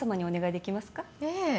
ええ。